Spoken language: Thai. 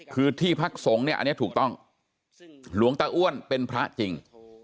คือที่พักสงฆ์เนี่ยอันนี้ถูกต้องหลวงตาอ้วนเป็นพระจริง